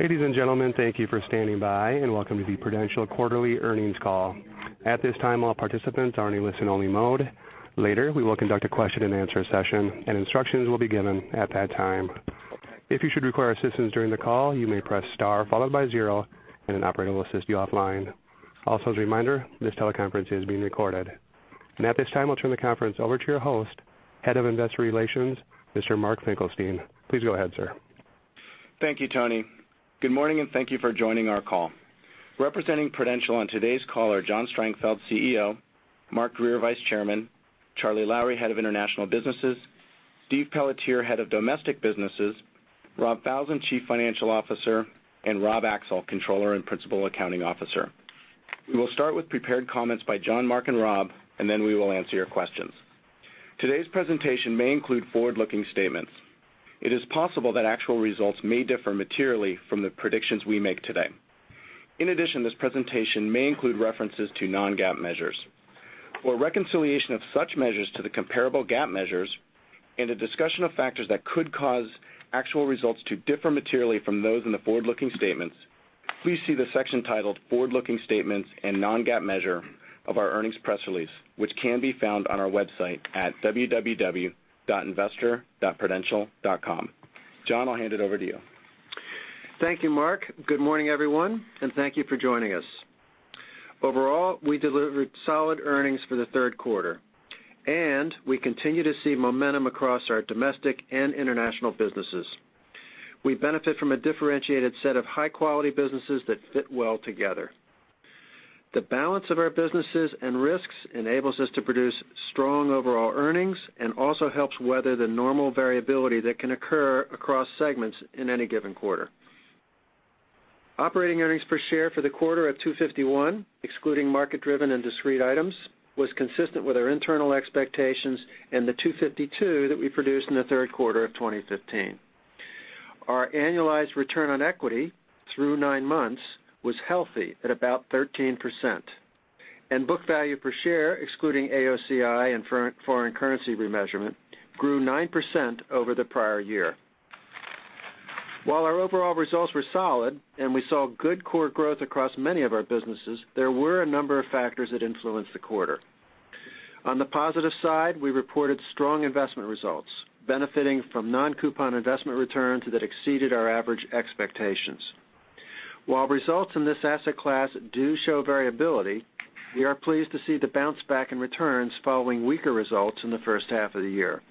Ladies and gentlemen, thank you for standing by. Welcome to the Prudential quarterly earnings call. At this time, all participants are in listen-only mode. Later, we will conduct a question-and-answer session. Instructions will be given at that time. If you should require assistance during the call, you may press star followed by zero, and an operator will assist you offline. As a reminder, this teleconference is being recorded. At this time, I'll turn the conference over to your host, Head of Investor Relations, Mr. Mark Finkelstein. Please go ahead, sir. Thank you, Tony. Good morning. Thank you for joining our call. Representing Prudential on today's call are John Strangfeld, CEO; Mark Grier, Vice Chairman; Charlie Lowrey, Head of International Businesses; Steve Pelletier, Head of Domestic Businesses; Rob Falzon, Chief Financial Officer; and Rob Axel, Controller and Principal Accounting Officer. We will start with prepared comments by John, Mark, and Rob. Then we will answer your questions. Today's presentation may include forward-looking statements. It is possible that actual results may differ materially from the predictions we make today. In addition, this presentation may include references to non-GAAP measures. For a reconciliation of such measures to the comparable GAAP measures and a discussion of factors that could cause actual results to differ materially from those in the forward-looking statements, please see the section titled "Forward-Looking Statements and Non-GAAP Measure" of our earnings press release, which can be found on our website at www.investor.prudential.com. John, I'll hand it over to you. Thank you, Mark. Good morning, everyone. Thank you for joining us. Overall, we delivered solid earnings for the third quarter. We continue to see momentum across our domestic and international businesses. We benefit from a differentiated set of high-quality businesses that fit well together. The balance of our businesses and risks enables us to produce strong overall earnings. Also helps weather the normal variability that can occur across segments in any given quarter. Operating earnings per share for the quarter at $2.51, excluding market-driven and discrete items, was consistent with our internal expectations and the $2.52 that we produced in the third quarter of 2015. Our annualized return on equity through nine months was healthy at about 13%. Book value per share, excluding AOCI and foreign currency remeasurement, grew 9% over the prior year. While our overall results were solid and we saw good core growth across many of our businesses, there were a number of factors that influenced the quarter. On the positive side, we reported strong investment results, benefiting from non-coupon investment returns that exceeded our average expectations. While results in this asset class do show variability, we are pleased to see the bounce back in returns following weaker results in the first half of the year.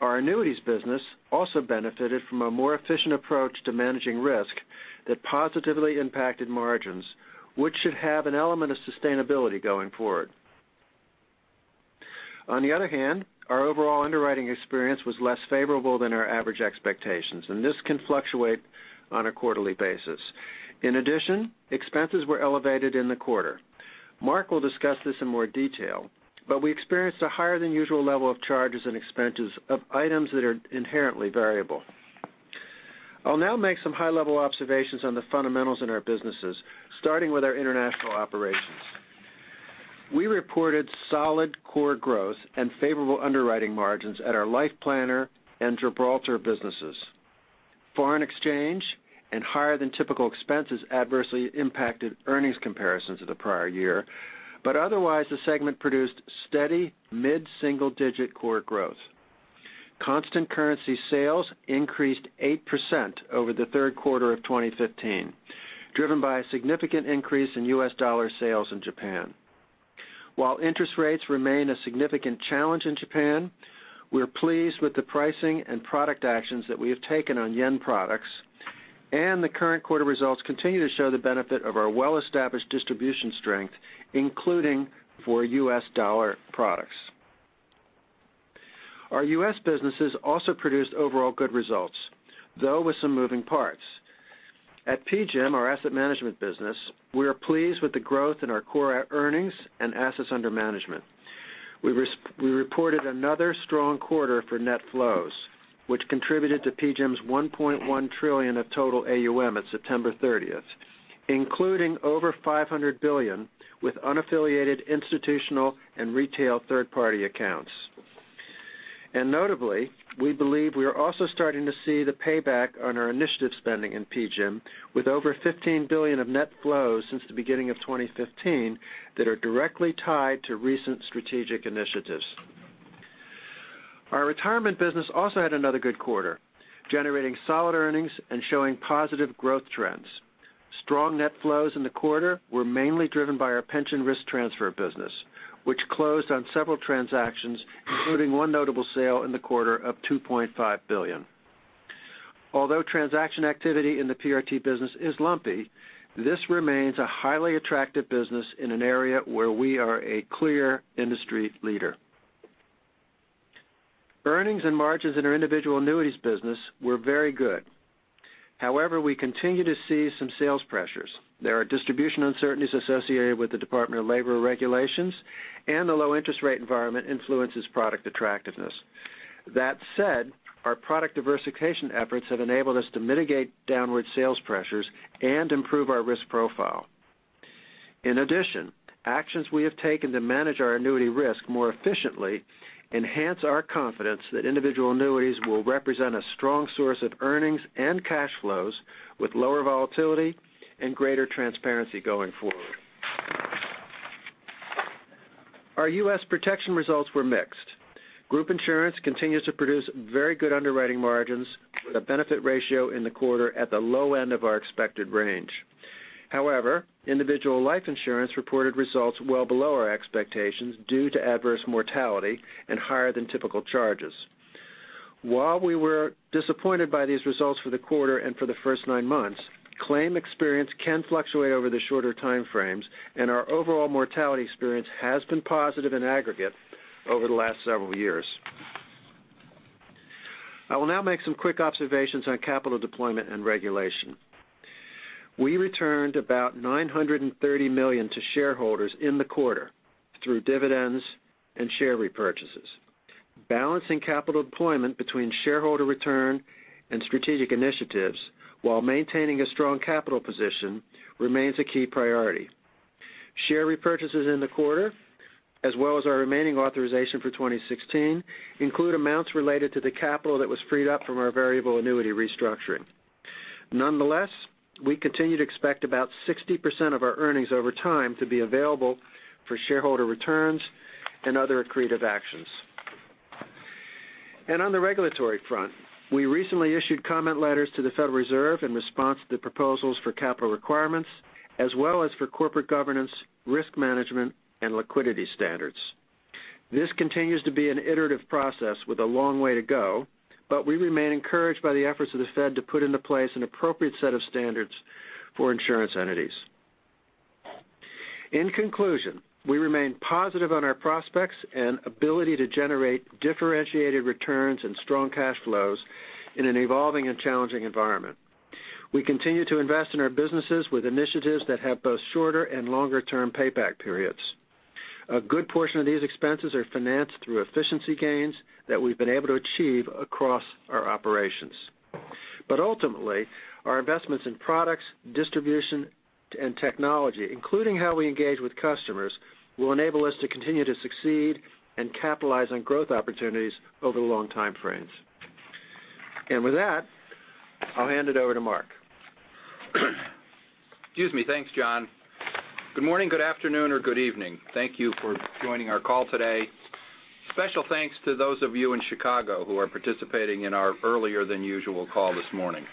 Our annuities business also benefited from a more efficient approach to managing risk that positively impacted margins, which should have an element of sustainability going forward. On the other hand, our overall underwriting experience was less favorable than our average expectations, and this can fluctuate on a quarterly basis. In addition, expenses were elevated in the quarter. Mark will discuss this in more detail. We experienced a higher-than-usual level of charges and expenses of items that are inherently variable. I'll now make some high-level observations on the fundamentals in our businesses, starting with our international operations. We reported solid core growth and favorable underwriting margins at our Life Planner and Gibraltar businesses. Foreign exchange and higher-than-typical expenses adversely impacted earnings comparisons to the prior year. Otherwise, the segment produced steady mid-single-digit core growth. Constant currency sales increased 8% over the third quarter of 2015, driven by a significant increase in U.S. dollar sales in Japan. While interest rates remain a significant challenge in Japan, we are pleased with the pricing and product actions that we have taken on yen products, and the current quarter results continue to show the benefit of our well-established distribution strength, including for U.S. dollar products. Our U.S. businesses also produced overall good results, though with some moving parts. At PGIM, our asset management business, we are pleased with the growth in our core earnings and assets under management. We reported another strong quarter for net flows, which contributed to PGIM's $1.1 trillion of total AUM at September 30th, including over $500 billion with unaffiliated, institutional, and retail third-party accounts. Notably, we believe we are also starting to see the payback on our initiative spending in PGIM, with over $15 billion of net flow since the beginning of 2015 that are directly tied to recent strategic initiatives. Our retirement business also had another good quarter, generating solid earnings and showing positive growth trends. Strong net flows in the quarter were mainly driven by our pension risk transfer business, which closed on several transactions, including one notable sale in the quarter of $2.5 billion. Although transaction activity in the PRT business is lumpy, this remains a highly attractive business in an area where we are a clear industry leader. Earnings and margins in our individual annuities business were very good. However, we continue to see some sales pressures. There are distribution uncertainties associated with the Department of Labor regulations. The low interest rate environment influences product attractiveness. That said, our product diversification efforts have enabled us to mitigate downward sales pressures and improve our risk profile. In addition, actions we have taken to manage our annuity risk more efficiently enhance our confidence that individual annuities will represent a strong source of earnings and cash flows with lower volatility and greater transparency going forward. Our U.S. protection results were mixed. Group insurance continues to produce very good underwriting margins with a benefit ratio in the quarter at the low end of our expected range. However, individual life insurance reported results well below our expectations due to adverse mortality and higher than typical charges. While we were disappointed by these results for the quarter and for the first nine months, claim experience can fluctuate over the shorter time frames, and our overall mortality experience has been positive in aggregate over the last several years. I will now make some quick observations on capital deployment and regulation. We returned about $930 million to shareholders in the quarter through dividends and share repurchases. Balancing capital deployment between shareholder return and strategic initiatives while maintaining a strong capital position remains a key priority. Share repurchases in the quarter, as well as our remaining authorization for 2016, include amounts related to the capital that was freed up from our variable annuity restructuring. Nonetheless, we continue to expect about 60% of our earnings over time to be available for shareholder returns and other accretive actions. On the regulatory front, we recently issued comment letters to the Federal Reserve in response to the proposals for capital requirements, as well as for corporate governance, risk management, and liquidity standards. This continues to be an iterative process with a long way to go, but we remain encouraged by the efforts of the Fed to put into place an appropriate set of standards for insurance entities. In conclusion, we remain positive on our prospects and ability to generate differentiated returns and strong cash flows in an evolving and challenging environment. We continue to invest in our businesses with initiatives that have both shorter and longer-term payback periods. A good portion of these expenses are financed through efficiency gains that we've been able to achieve across our operations. Ultimately, our investments in products, distribution, and technology, including how we engage with customers, will enable us to continue to succeed and capitalize on growth opportunities over long time frames. With that, I'll hand it over to Mark. Excuse me. Thanks, John. Good morning, good afternoon, or good evening. Thank you for joining our call today. Special thanks to those of you in Chicago who are participating in our earlier than usual call this morning.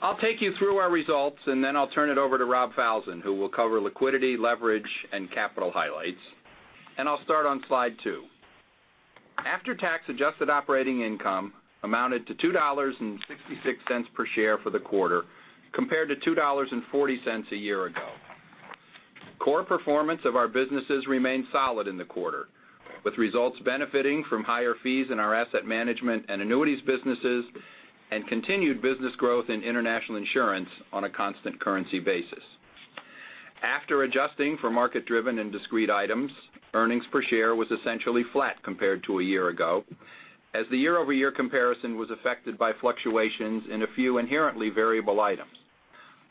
I'll take you through our results, and then I'll turn it over to Rob Falzon, who will cover liquidity, leverage, and capital highlights. I'll start on slide two. After-tax adjusted operating income amounted to $2.66 per share for the quarter, compared to $2.40 a year ago. Core performance of our businesses remained solid in the quarter, with results benefiting from higher fees in our asset management and annuities businesses and continued business growth in international insurance on a constant currency basis. After adjusting for market-driven and discrete items, earnings per share was essentially flat compared to a year ago, as the year-over-year comparison was affected by fluctuations in a few inherently variable items.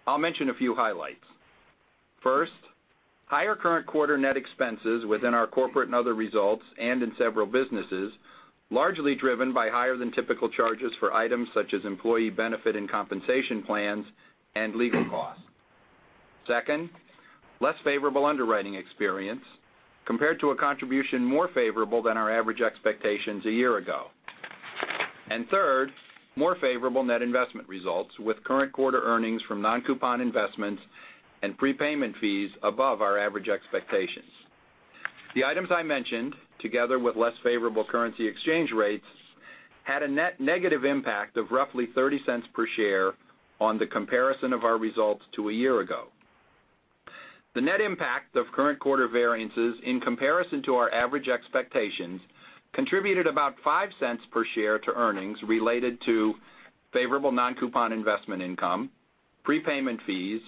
I'll mention a few highlights. First, higher current quarter net expenses within our corporate and other results and in several businesses, largely driven by higher than typical charges for items such as employee benefit and compensation plans and legal costs. Second, less favorable underwriting experience compared to a contribution more favorable than our average expectations a year ago. Third, more favorable net investment results with current quarter earnings from non-coupon investments and prepayment fees above our average expectations. The items I mentioned, together with less favorable currency exchange rates, had a net negative impact of roughly $0.30 per share on the comparison of our results to a year ago. The net impact of current quarter variances in comparison to our average expectations contributed about $0.05 per share to earnings related to favorable non-coupon investment income, prepayment fees,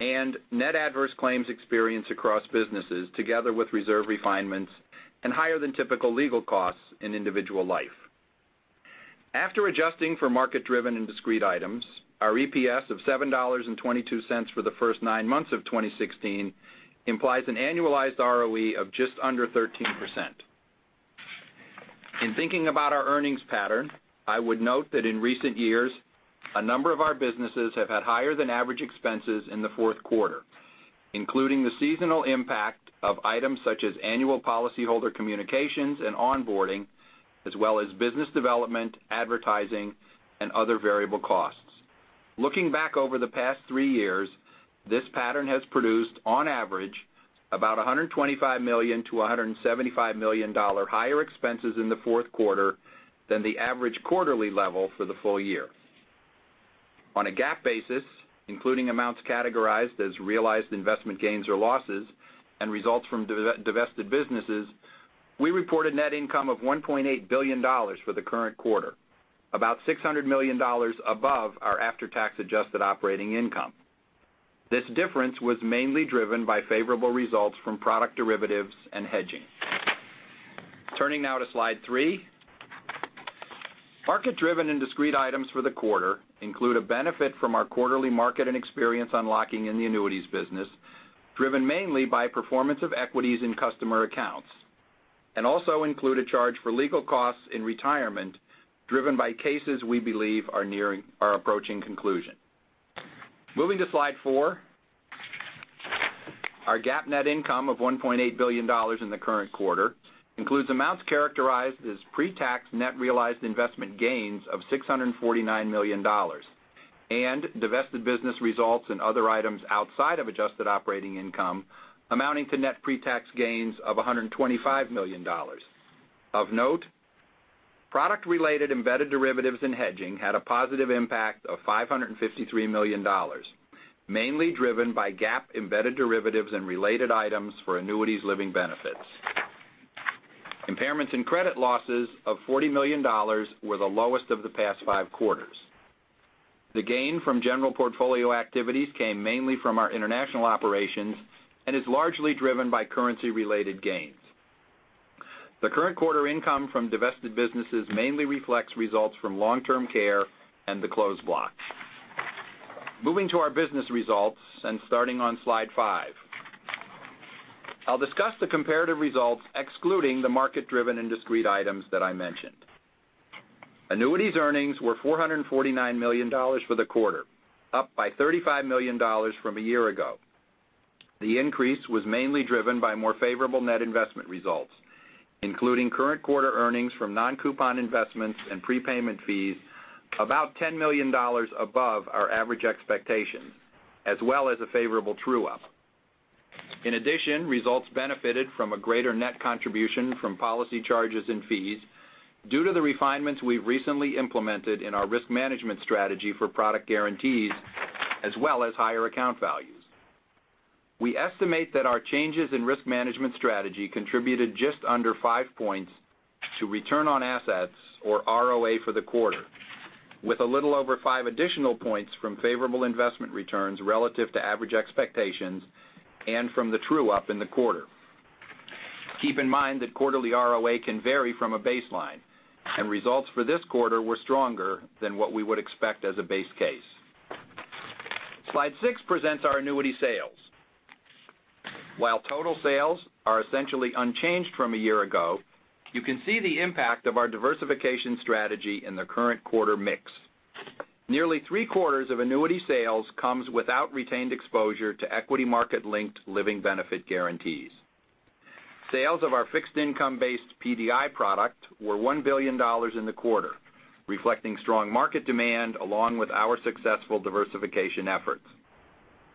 and net adverse claims experience across businesses together with reserve refinements and higher than typical legal costs in individual life. After adjusting for market-driven and discrete items, our EPS of $7.22 for the first nine months of 2016 implies an annualized ROE of just under 13%. In thinking about our earnings pattern, I would note that in recent years, a number of our businesses have had higher than average expenses in the fourth quarter, including the seasonal impact of items such as annual policyholder communications and onboarding, as well as business development, advertising, and other variable costs. Looking back over the past three years, this pattern has produced, on average, about $125 million-$175 million higher expenses in the fourth quarter than the average quarterly level for the full year. On a GAAP basis, including amounts categorized as realized investment gains or losses and results from divested businesses, we reported net income of $1.8 billion for the current quarter, about $600 million above our after-tax adjusted operating income. This difference was mainly driven by favorable results from product derivatives and hedging. Turning now to slide three. Market driven and discrete items for the quarter include a benefit from our quarterly market and experience unlocking in the annuities business, driven mainly by performance of equities in customer accounts, and also include a charge for legal costs in retirement, driven by cases we believe are approaching conclusion. Moving to slide four. Our GAAP net income of $1.8 billion in the current quarter includes amounts characterized as pretax net realized investment gains of $649 million, and divested business results in other items outside of adjusted operating income amounting to net pretax gains of $125 million. Of note, product-related embedded derivatives and hedging had a positive impact of $553 million, mainly driven by GAAP embedded derivatives and related items for annuities living benefits. Impairments in credit losses of $40 million were the lowest of the past five quarters. The gain from general portfolio activities came mainly from our international operations and is largely driven by currency-related gains. The current quarter income from divested businesses mainly reflects results from long-term care and the closed block. Moving to our business results, starting on slide five. I'll discuss the comparative results excluding the market-driven and discrete items that I mentioned. Annuities earnings were $449 million for the quarter, up by $35 million from a year ago. The increase was mainly driven by more favorable net investment results, including current quarter earnings from non-coupon investments and prepayment fees about $10 million above our average expectations, as well as a favorable true-up. In addition, results benefited from a greater net contribution from policy charges and fees due to the refinements we've recently implemented in our risk management strategy for product guarantees, as well as higher account values. We estimate that our changes in risk management strategy contributed just under five points to return on assets, or ROA, for the quarter, with a little over five additional points from favorable investment returns relative to average expectations and from the true-up in the quarter. Keep in mind that quarterly ROA can vary from a baseline, and results for this quarter were stronger than what we would expect as a base case. Slide six presents our annuity sales. While total sales are essentially unchanged from a year ago, you can see the impact of our diversification strategy in the current quarter mix. Nearly three-quarters of annuity sales comes without retained exposure to equity market-linked living benefit guarantees. Sales of our fixed income-based PDI product were $1 billion in the quarter, reflecting strong market demand along with our successful diversification efforts.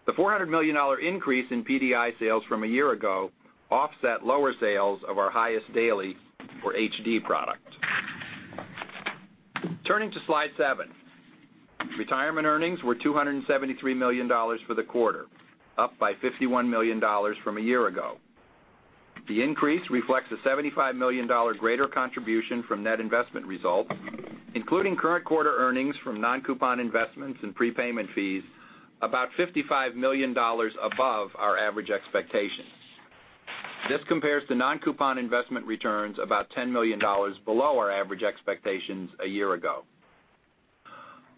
The $400 million increase in PDI sales from a year ago offset lower sales of our Highest Daily, or HD, product. Turning to slide seven. Retirement earnings were $273 million for the quarter, up by $51 million from a year ago. The increase reflects a $75 million greater contribution from net investment results, including current quarter earnings from non-coupon investments and prepayment fees about $55 million above our average expectations. This compares to non-coupon investment returns about $10 million below our average expectations a year ago.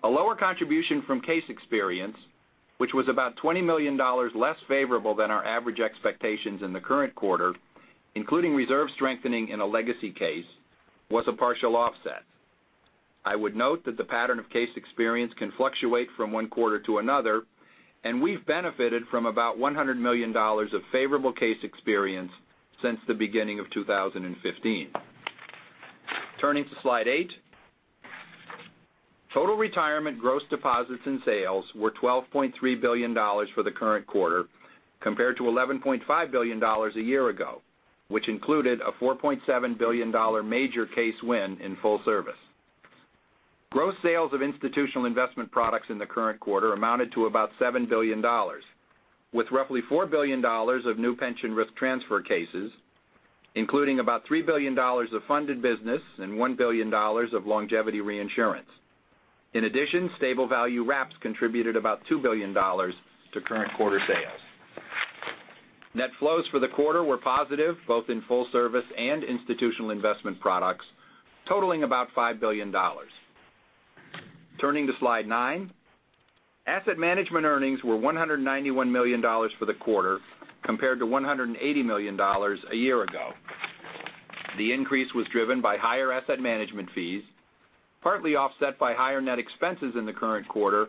A lower contribution from case experience, which was about $20 million less favorable than our average expectations in the current quarter, including reserve strengthening in a legacy case, was a partial offset. I would note that the pattern of case experience can fluctuate from one quarter to another, and we've benefited from about $100 million of favorable case experience since the beginning of 2015. Turning to slide eight. Total retirement gross deposits and sales were $12.3 billion for the current quarter compared to $11.5 billion a year ago, which included a $4.7 billion major case win in full service. Gross sales of institutional investment products in the current quarter amounted to about $7 billion, with roughly $4 billion of new pension risk transfer cases, including about $3 billion of funded business and $1 billion of longevity reinsurance. In addition, stable value wraps contributed about $2 billion to current quarter sales. Net flows for the quarter were positive, both in full service and institutional investment products, totaling about $5 billion. Turning to slide nine. Asset management earnings were $191 million for the quarter, compared to $180 million a year ago. The increase was driven by higher asset management fees, partly offset by higher net expenses in the current quarter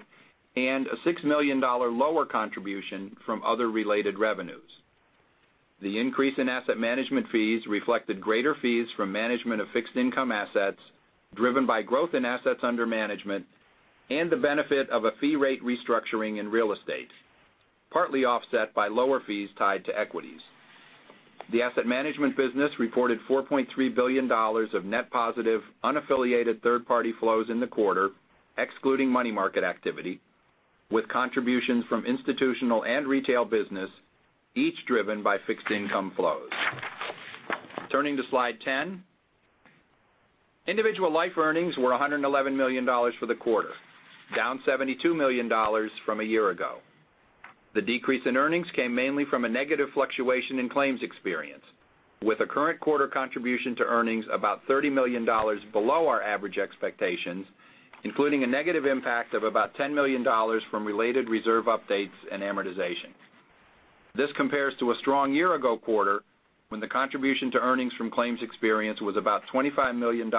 and a $6 million lower contribution from other related revenues. The increase in asset management fees reflected greater fees from management of fixed income assets, driven by growth in assets under management and the benefit of a fee rate restructuring in real estate, partly offset by lower fees tied to equities. The asset management business reported $4.3 billion of net positive unaffiliated third-party flows in the quarter, excluding money market activity, with contributions from institutional and retail business, each driven by fixed income flows. Turning to slide ten. Individual life earnings were $111 million for the quarter, down $72 million from a year ago. The decrease in earnings came mainly from a negative fluctuation in claims experience, with a current quarter contribution to earnings about $30 million below our average expectations, including a negative impact of about $10 million from related reserve updates and amortization. This compares to a strong year-ago quarter, when the contribution to earnings from claims experience was about $25 million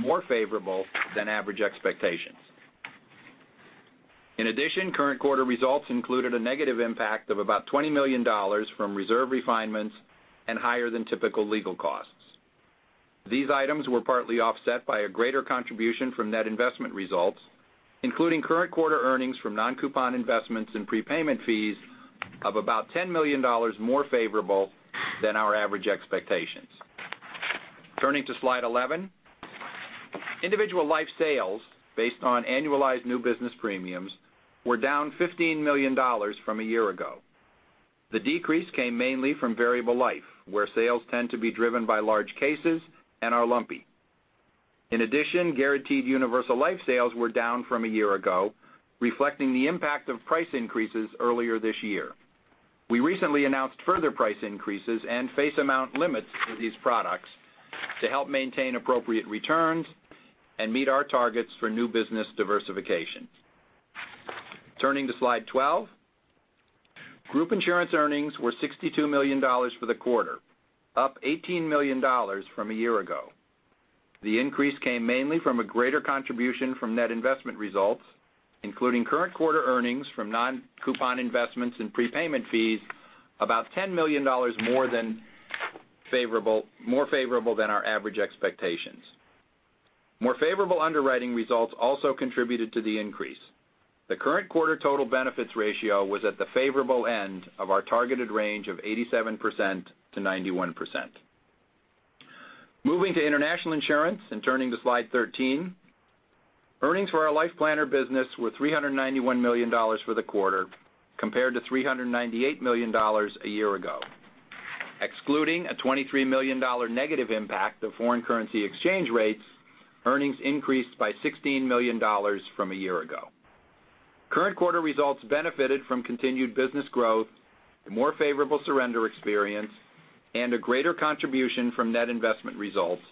more favorable than average expectations. In addition, current quarter results included a negative impact of about $20 million from reserve refinements and higher than typical legal costs. These items were partly offset by a greater contribution from net investment results, including current quarter earnings from non-coupon investments and prepayment fees of about $10 million more favorable than our average expectations. Turning to slide 11. Individual life sales based on annualized new business premiums were down $15 million from a year ago. The decrease came mainly from variable life, where sales tend to be driven by large cases and are lumpy. In addition, guaranteed universal life sales were down from a year ago, reflecting the impact of price increases earlier this year. We recently announced further price increases and face amount limits for these products to help maintain appropriate returns and meet our targets for new business diversification. Turning to slide 12. Group insurance earnings were $62 million for the quarter, up $18 million from a year ago. The increase came mainly from a greater contribution from net investment results, including current quarter earnings from non-coupon investments in prepayment fees about $10 million more favorable than our average expectations. More favorable underwriting results also contributed to the increase. The current quarter total benefits ratio was at the favorable end of our targeted range of 87%-91%. Moving to international insurance and turning to slide 13. Earnings for our LifePlanner business were $391 million for the quarter, compared to $398 million a year ago. Excluding a $23 million negative impact of foreign currency exchange rates, earnings increased by $16 million from a year ago. Current quarter results benefited from continued business growth, more favorable surrender experience, and a greater contribution from net investment results,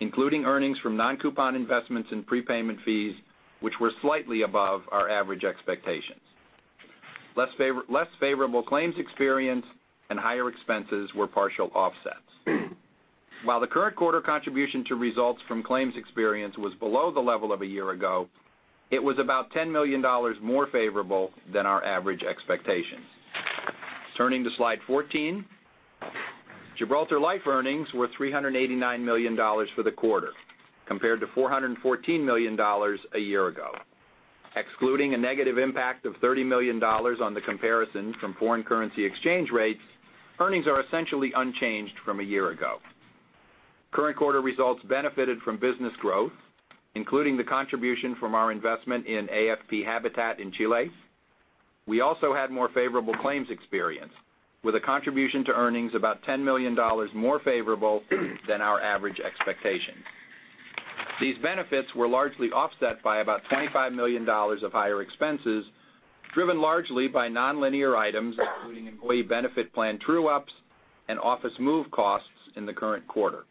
including earnings from non-coupon investments in prepayment fees, which were slightly above our average expectations. Less favorable claims experience and higher expenses were partial offsets. While the current quarter contribution to results from claims experience was below the level of a year ago, it was about $10 million more favorable than our average expectations. Turning to slide 14. Gibraltar Life earnings were $389 million for the quarter, compared to $414 million a year ago. Excluding a negative impact of $30 million on the comparison from foreign currency exchange rates, earnings are essentially unchanged from a year ago. Current quarter results benefited from business growth, including the contribution from our investment in AFP Habitat in Chile. We also had more favorable claims experience, with a contribution to earnings about $10 million more favorable than our average expectations. These benefits were largely offset by about $25 million of higher expenses, driven largely by nonlinear items, including employee benefit plan true-ups and office move costs in the current quarter.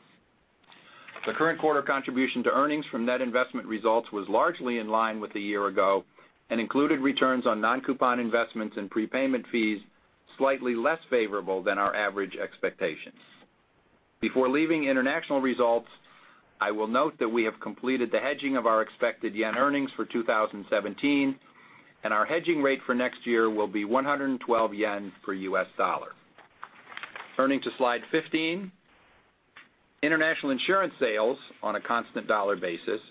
The current quarter contribution to earnings from net investment results was largely in line with a year ago and included returns on non-coupon investments and prepayment fees, slightly less favorable than our average expectations. Before leaving international results, I will note that we have completed the hedging of our expected JPY earnings for 2017, and our hedging rate for next year will be 112 yen per US dollar. Turning to slide 15. International insurance sales on a constant dollar basis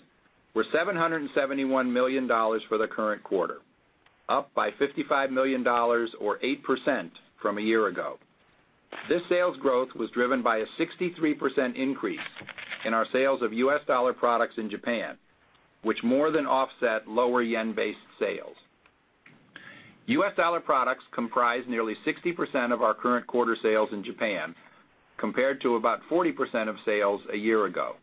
were $771 million for the current quarter, up by $55 million or 8% from a year ago. This sales growth was driven by a 63% increase in our sales of US dollar products in Japan, which more than offset lower yen-based sales. US dollar products comprise nearly 60% of our current quarter sales in Japan, compared to about 40% of sales a year ago.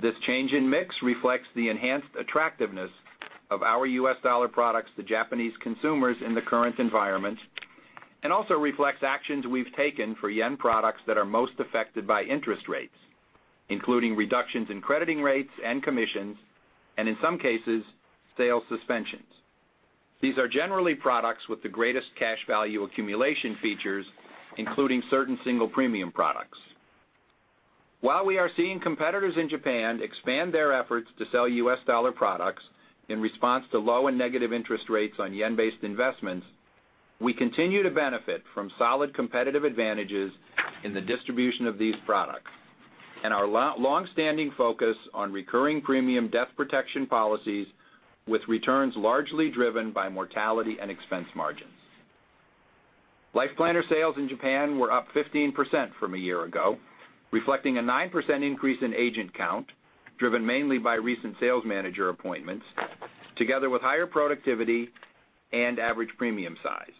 This change in mix reflects the enhanced attractiveness of our US dollar products to Japanese consumers in the current environment, and also reflects actions we've taken for yen products that are most affected by interest rates, including reductions in crediting rates and commissions, and in some cases, sales suspensions. These are generally products with the greatest cash value accumulation features, including certain single premium products. While we are seeing competitors in Japan expand their efforts to sell US dollar products in response to low and negative interest rates on yen-based investments, we continue to benefit from solid competitive advantages in the distribution of these products and our longstanding focus on recurring premium death protection policies with returns largely driven by mortality and expense margins. LifePlanner sales in Japan were up 15% from a year ago, reflecting a 9% increase in agent count, driven mainly by recent sales manager appointments, together with higher productivity and average premium size.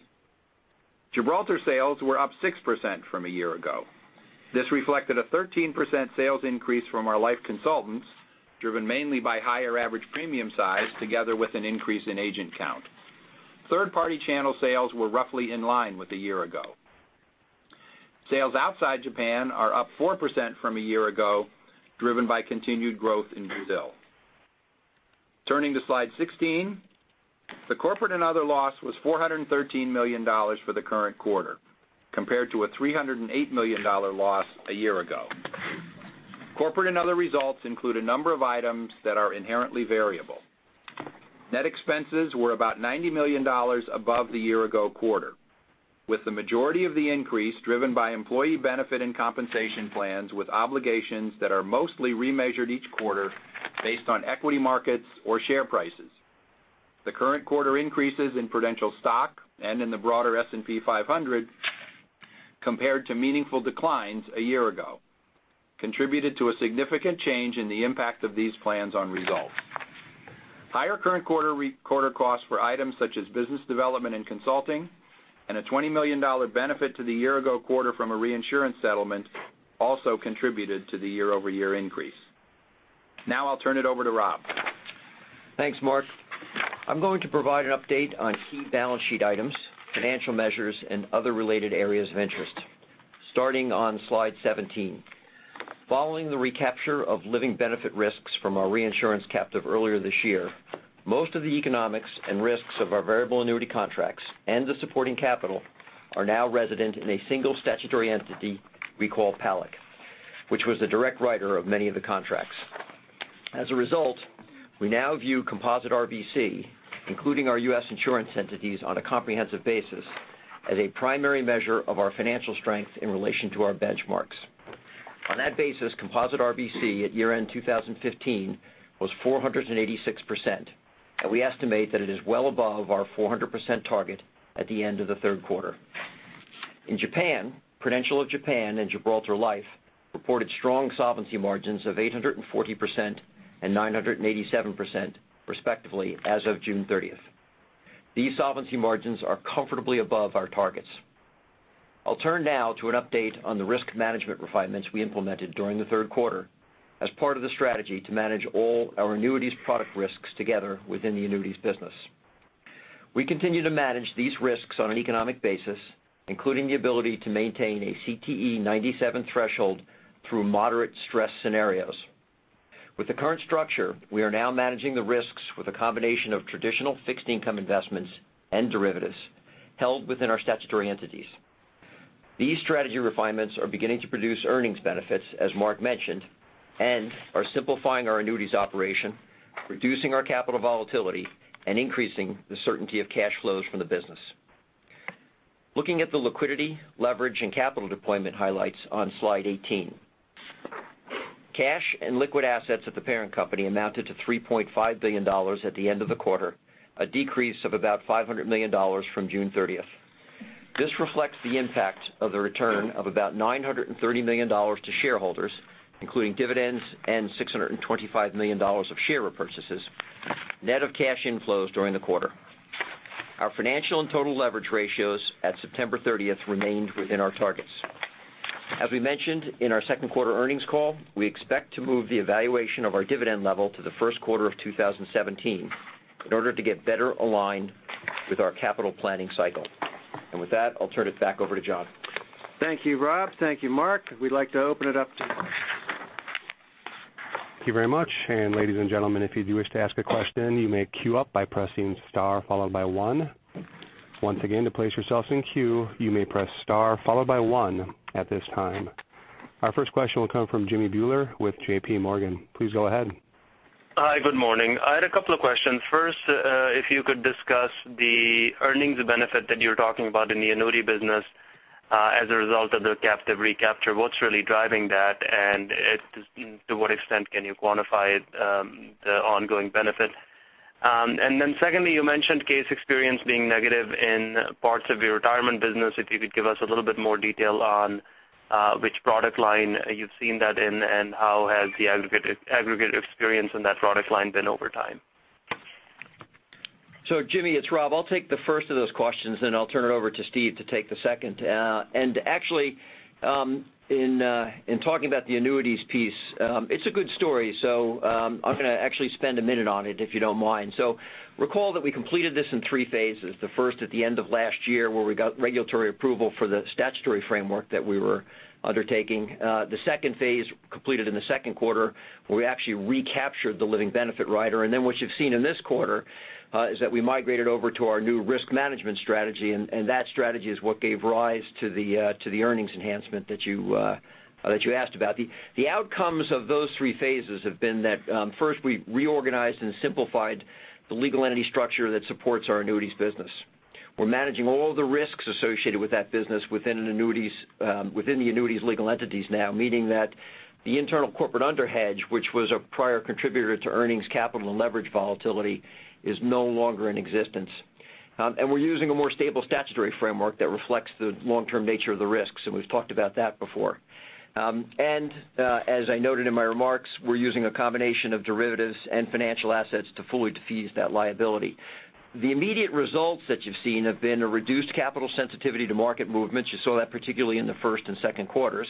Gibraltar sales were up 6% from a year ago. This reflected a 13% sales increase from our life consultants, driven mainly by higher average premium size together with an increase in agent count. Third-party channel sales were roughly in line with a year ago. Sales outside Japan are up 4% from a year ago, driven by continued growth in Brazil. Turning to slide 16, the corporate and other loss was $413 million for the current quarter, compared to a $308 million loss a year ago. Corporate and other results include a number of items that are inherently variable. Net expenses were about $90 million above the year ago quarter, with the majority of the increase driven by employee benefit and compensation plans with obligations that are mostly remeasured each quarter based on equity markets or share prices. The current quarter increases in Prudential stock and in the broader S&P 500 compared to meaningful declines a year ago contributed to a significant change in the impact of these plans on results. Higher current quarter costs for items such as business development and consulting, and a $20 million benefit to the year-ago quarter from a reinsurance settlement also contributed to the year-over-year increase. I'll turn it over to Rob. Thanks, Mark. I'm going to provide an update on key balance sheet items, financial measures, and other related areas of interest. Starting on slide 17. Following the recapture of living benefit risks from our reinsurance captive earlier this year, most of the economics and risks of our variable annuity contracts and the supporting capital are now resident in a single statutory entity we call PALIC, which was the direct writer of many of the contracts. As a result, we now view composite RBC, including our U.S. insurance entities, on a comprehensive basis as a primary measure of our financial strength in relation to our benchmarks. On that basis, composite RBC at year-end 2015 was 486%, and we estimate that it is well above our 400% target at the end of the third quarter. In Japan, Prudential of Japan and Gibraltar Life reported strong solvency margins of 840% and 987%, respectively, as of June 30th. These solvency margins are comfortably above our targets. I'll turn now to an update on the risk management refinements we implemented during the third quarter as part of the strategy to manage all our annuities product risks together within the annuities business. We continue to manage these risks on an economic basis, including the ability to maintain a CTE 97 threshold through moderate stress scenarios. With the current structure, we are now managing the risks with a combination of traditional fixed income investments and derivatives held within our statutory entities. These strategy refinements are beginning to produce earnings benefits, as Mark mentioned, and are simplifying our annuities operation, reducing our capital volatility, and increasing the certainty of cash flows from the business. Looking at the liquidity, leverage, and capital deployment highlights on slide 18. Cash and liquid assets at the parent company amounted to $3.5 billion at the end of the quarter, a decrease of about $500 million from June 30th. This reflects the impact of the return of about $930 million to shareholders, including dividends and $625 million of share repurchases, net of cash inflows during the quarter. Our financial and total leverage ratios at September 30th remained within our targets. As we mentioned in our second quarter earnings call, we expect to move the evaluation of our dividend level to the first quarter of 2017 in order to get better aligned with our capital planning cycle. With that, I'll turn it back over to John. Thank you, Rob. Thank you, Mark. We'd like to open it up to questions. Thank you very much. Ladies and gentlemen, if you do wish to ask a question, you may queue up by pressing star followed by 1. Once again, to place yourselves in queue, you may press star followed by 1 at this time. Our first question will come from Jimmy Bhullar with J.P. Morgan. Please go ahead. Hi. Good morning. I had a couple of questions. If you could discuss the earnings benefit that you were talking about in the annuity business as a result of the captive recapture, what's really driving that, and to what extent can you quantify the ongoing benefit? Secondly, you mentioned case experience being negative in parts of your retirement business. If you could give us a little bit more detail on which product line you've seen that in, and how has the aggregate experience in that product line been over time? Jimmy, it's Rob. I'll take the first of those questions, then I'll turn it over to Steve to take the second. Actually, in talking about the annuities piece, it's a good story. I'm going to actually spend a minute on it, if you don't mind. Recall that we completed this in 3 phases. The first at the end of last year, where we got regulatory approval for the statutory framework that we were undertaking. The second phase completed in the second quarter, where we actually recaptured the living benefit rider. What you've seen in this quarter is that we migrated over to our new risk management strategy, and that strategy is what gave rise to the earnings enhancement that you asked about. The outcomes of those three phases have been that first, we reorganized and simplified the legal entity structure that supports our annuities business. We're managing all the risks associated with that business within the annuities legal entities now, meaning that the internal corporate underhedge, which was a prior contributor to earnings capital and leverage volatility, is no longer in existence. We're using a more stable statutory framework that reflects the long-term nature of the risks, and we've talked about that before. As I noted in my remarks, we're using a combination of derivatives and financial assets to fully difease that liability. The immediate results that you've seen have been a reduced capital sensitivity to market movements. You saw that particularly in the first and second quarters.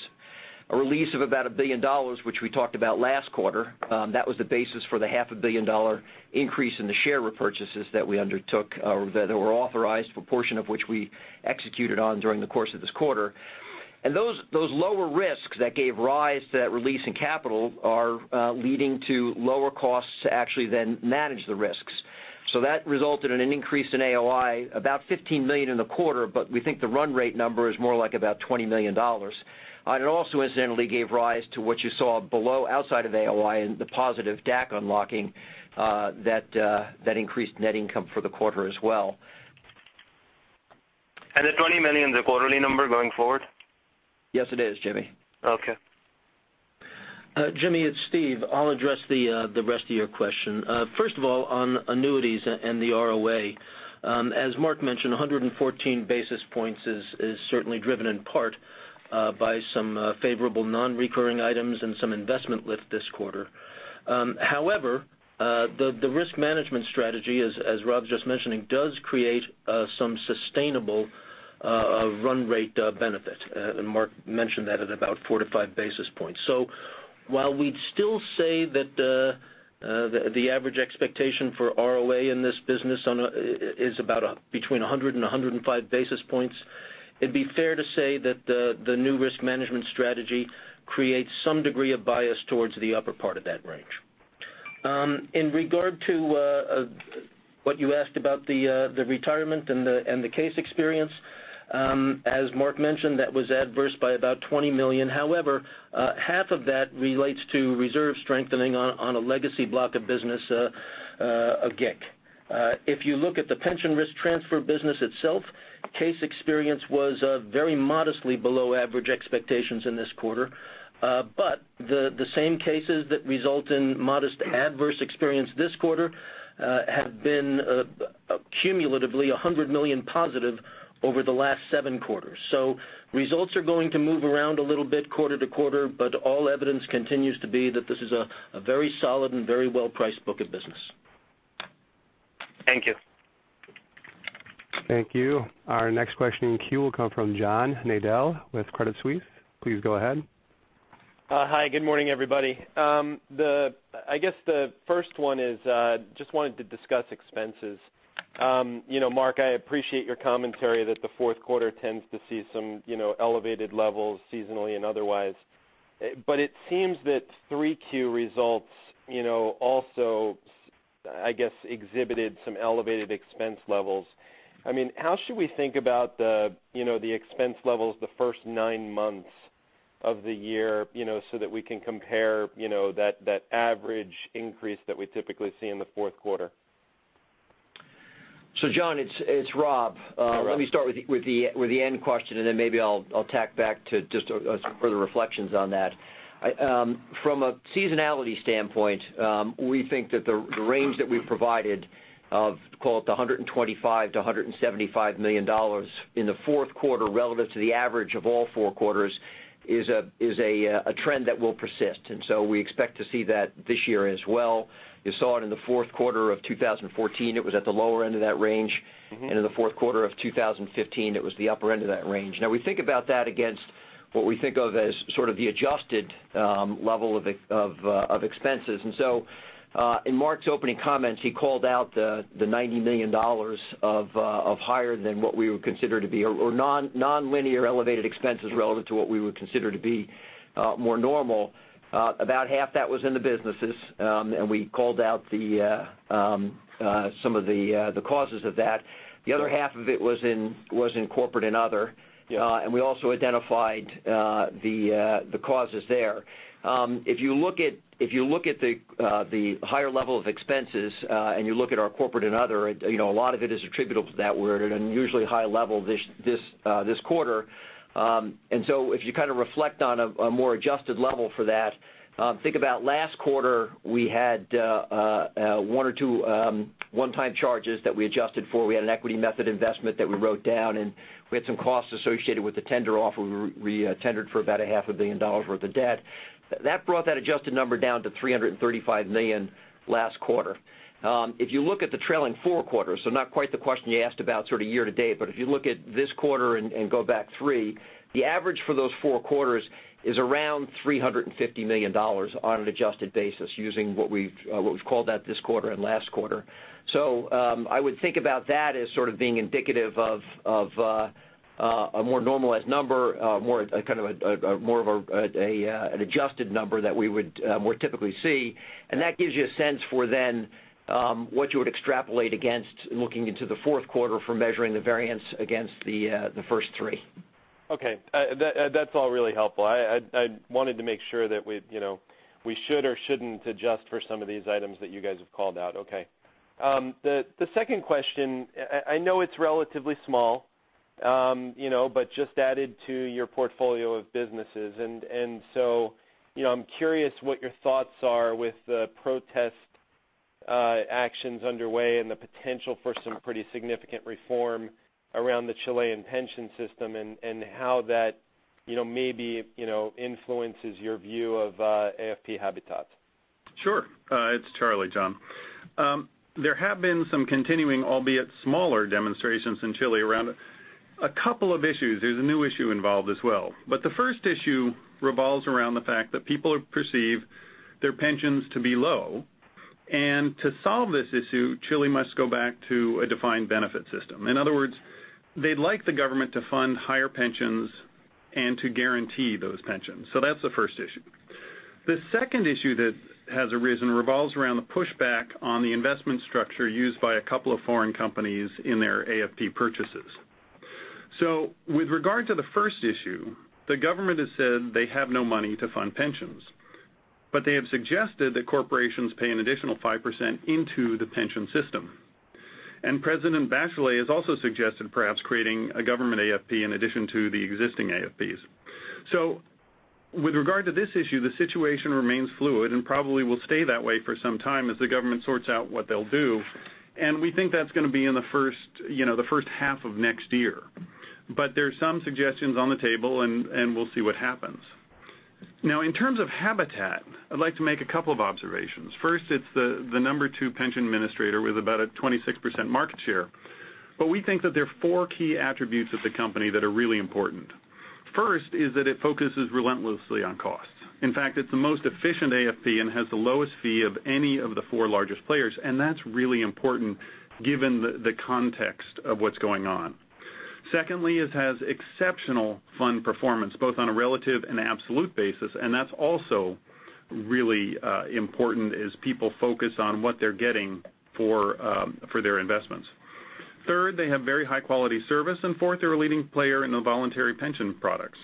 A release of about $1 billion, which we talked about last quarter. That was the basis for the half a billion dollar increase in the share repurchases that we undertook, or that were authorized, a portion of which we executed on during the course of this quarter. Those lower risks that gave rise to that release in capital are leading to lower costs to actually then manage the risks. That resulted in an increase in AOI about $15 million in the quarter, but we think the run rate number is more like about $20 million. It also incidentally gave rise to what you saw below outside of AOI and the positive DAC unlocking that increased net income for the quarter as well. The $20 million is a quarterly number going forward? Yes, it is, Jimmy. Okay. Jimmy, it's Steve. I'll address the rest of your question. First of all, on annuities and the ROA. As Mark mentioned, 114 basis points is certainly driven in part by some favorable non-recurring items and some investment lift this quarter. However, the risk management strategy, as Rob's just mentioning, does create some sustainable run rate benefit. Mark mentioned that at about 4 to 5 basis points. While we'd still say that the average expectation for ROA in this business is about between 100 and 105 basis points, it'd be fair to say that the new risk management strategy creates some degree of bias towards the upper part of that range. In regard to what you asked about the retirement and the case experience, as Mark mentioned, that was adverse by about $20 million. However, half of that relates to reserve strengthening on a legacy block of business of GIC. If you look at the pension risk transfer business itself, case experience was very modestly below average expectations in this quarter. The same cases that result in modest adverse experience this quarter have been cumulatively $100 million positive over the last seven quarters. Results are going to move around a little bit quarter to quarter, but all evidence continues to be that this is a very solid and very well-priced book of business. Thank you. Thank you. Our next question in queue will come from John Nadel with Credit Suisse. Please go ahead. Hi, good morning, everybody. I guess the first one is, just wanted to discuss expenses. Mark, I appreciate your commentary that the fourth quarter tends to see some elevated levels seasonally and otherwise. It seems that 3Q results also, I guess, exhibited some elevated expense levels. How should we think about the expense levels the first nine months of the year so that we can compare that average increase that we typically see in the fourth quarter? John, it's Rob. Hi, Rob. Let me start with the end question and then maybe I'll tack back to just some further reflections on that. From a seasonality standpoint, we think that the range that we've provided of, call it the $125 million-$175 million in the fourth quarter relative to the average of all four quarters is a trend that will persist. We expect to see that this year as well. You saw it in the fourth quarter of 2014, it was at the lower end of that range, and in the fourth quarter of 2015, it was the upper end of that range. Now we think about that against what we think of as sort of the adjusted level of expenses. In Mark's opening comments, he called out the $90 million of higher than what we would consider to be, or nonlinear elevated expenses relative to what we would consider to be more normal. About half that was in the businesses, and we called out some of the causes of that. The other half of it was in Corporate and Other. Yeah. We also identified the causes there. If you look at the higher level of expenses, and you look at our Corporate and Other, a lot of it is attributable to that. We're at an unusually high level this quarter. If you kind of reflect on a more adjusted level for that, think about last quarter, we had one or two one-time charges that we adjusted for. We had an equity method investment that we wrote down, and we had some costs associated with the tender offer. We tendered for about a half a billion dollars worth of debt. That brought that adjusted number down to $335 million last quarter. If you look at the trailing four quarters, not quite the question you asked about sort of year to date, but if you look at this quarter and go back three, the average for those four quarters is around $350 million on an adjusted basis using what we've called that this quarter and last quarter. I would think about that as sort of being indicative of a more normalized number, more of an adjusted number that we would more typically see. That gives you a sense for then what you would extrapolate against looking into the fourth quarter for measuring the variance against the first three. Okay. That's all really helpful. I wanted to make sure that we should or shouldn't adjust for some of these items that you guys have called out. Okay. The second question, I know it's relatively small but just added to your portfolio of businesses. I'm curious what your thoughts are with the protest actions underway and the potential for some pretty significant reform around the Chilean pension system and how that maybe influences your view of AFP Habitat? Sure. It's Charlie, John. There have been some continuing, albeit smaller demonstrations in Chile around a couple of issues. There's a new issue involved as well. The first issue revolves around the fact that people perceive their pensions to be low, and to solve this issue, Chile must go back to a defined benefit system. In other words, they'd like the government to fund higher pensions and to guarantee those pensions. That's the first issue. The second issue that has arisen revolves around the pushback on the investment structure used by a couple of foreign companies in their AFP purchases. With regard to the first issue, the government has said they have no money to fund pensions. They have suggested that corporations pay an additional 5% into the pension system. President Bachelet has also suggested perhaps creating a government AFP in addition to the existing AFPs. With regard to this issue, the situation remains fluid and probably will stay that way for some time as the government sorts out what they'll do. We think that's going to be in the first half of next year. There's some suggestions on the table, and we'll see what happens. In terms of Habitat, I'd like to make a couple of observations. First, it's the number 2 pension administrator with about a 26% market share. We think that there are four key attributes of the company that are really important. First is that it focuses relentlessly on cost. In fact, it's the most efficient AFP and has the lowest fee of any of the four largest players, and that's really important given the context of what's going on. Secondly, it has exceptional fund performance, both on a relative and absolute basis, and that's also really important as people focus on what they're getting for their investments. Third, they have very high-quality service. Fourth, they're a leading player in the voluntary pension products.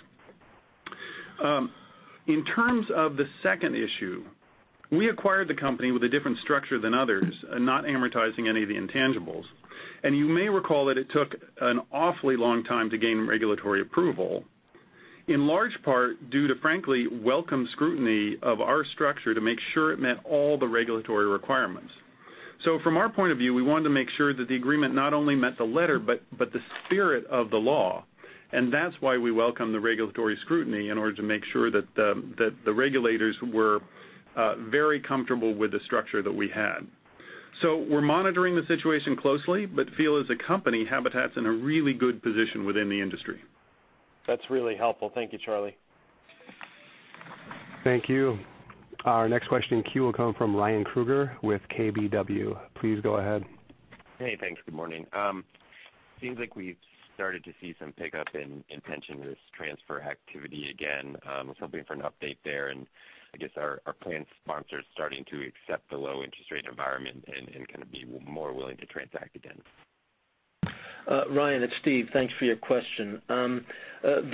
In terms of the second issue, we acquired the company with a different structure than others, not amortizing any of the intangibles. You may recall that it took an awfully long time to gain regulatory approval, in large part due to frankly welcome scrutiny of our structure to make sure it met all the regulatory requirements. From our point of view, we wanted to make sure that the agreement not only met the letter but the spirit of the law. That's why we welcome the regulatory scrutiny in order to make sure that the regulators were very comfortable with the structure that we had. We're monitoring the situation closely, but feel as a company, Habitat's in a really good position within the industry. That's really helpful. Thank you, Charlie. Thank you. Our next question in queue will come from Ryan Krueger with KBW. Please go ahead. Hey, thanks. Good morning. Seems like we've started to see some pickup in pension risk transfer activity again. I was hoping for an update there. I guess our plan sponsor is starting to accept the low interest rate environment and kind of be more willing to transact again. Ryan, it's Steve. Thanks for your question. The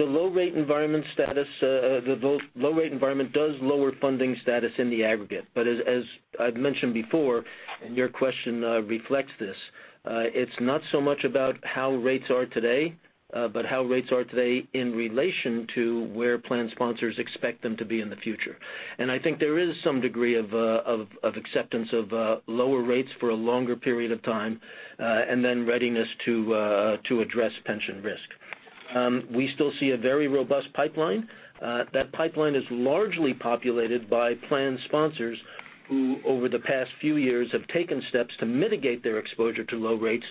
low rate environment does lower funding status in the aggregate. As I've mentioned before, and your question reflects this, it's not so much about how rates are today, but how rates are today in relation to where plan sponsors expect them to be in the future. I think there is some degree of acceptance of lower rates for a longer period of time, and then readiness to address pension risk. We still see a very robust pipeline. That pipeline is largely populated by plan sponsors who, over the past few years, have taken steps to mitigate their exposure to low rates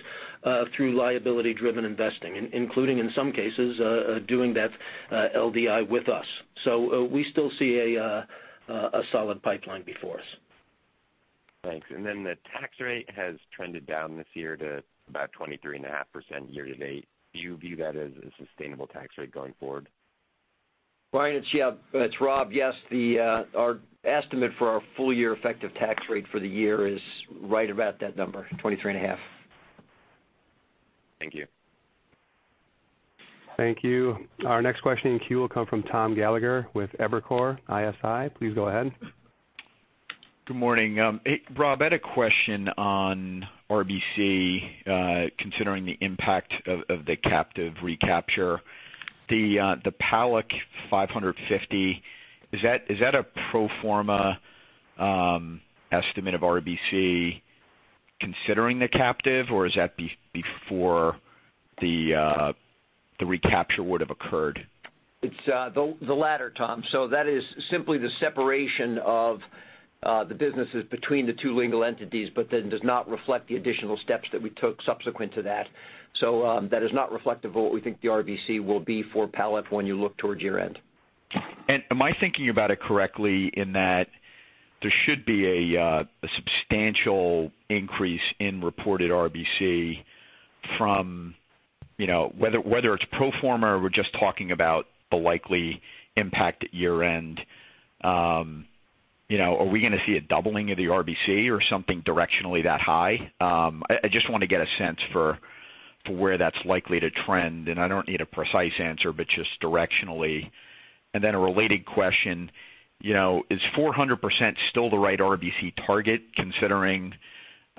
through liability-driven investing, including, in some cases, doing that LDI with us. We still see a solid pipeline before us. Thanks. Then the tax rate has trended down this year to about 23.5% year to date. Do you view that as a sustainable tax rate going forward? Ryan, it's Rob. Yes, our estimate for our full-year effective tax rate for the year is right about that number, 23.5%. Thank you. Thank you. Our next question in queue will come from Thomas Gallagher with Evercore ISI. Please go ahead. Good morning. Rob, I had a question on RBC, considering the impact of the captive recapture. The PALIC 550, is that a pro forma estimate of RBC considering the captive or is that before the recapture would have occurred? It's the latter, Tom. That is simply the separation of the businesses between the two legal entities, does not reflect the additional steps that we took subsequent to that. That is not reflective of what we think the RBC will be for PALIC when you look towards year-end. Am I thinking about it correctly in that there should be a substantial increase in reported RBC from, whether it's pro forma or we're just talking about the likely impact at year-end. Are we going to see a doubling of the RBC or something directionally that high? I just want to get a sense for where that's likely to trend, and I don't need a precise answer, but just directionally. A related question, is 400% still the right RBC target, considering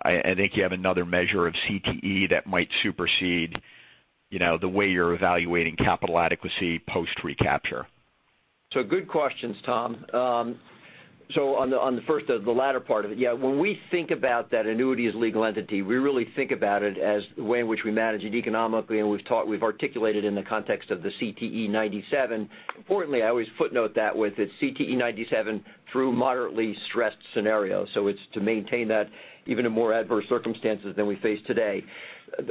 I think you have another measure of CTE that might supersede the way you're evaluating capital adequacy post-recapture? Good questions, Tom. On the first, the latter part of it, yeah, when we think about that annuity as a legal entity, we really think about it as the way in which we manage it economically, and we've articulated in the context of the CTE 97. Importantly, I always footnote that with its CTE 97 through moderately stressed scenarios. It's to maintain that even in more adverse circumstances than we face today.